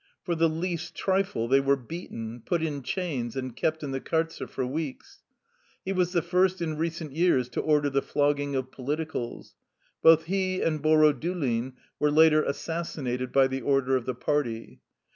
For the least trifle they were beaten, put in chains, and kept in the kartzer for weeks. He was the first in recent years to order the flogging of politicals. Both he and Borodulin were later assassinated by the order of the Party.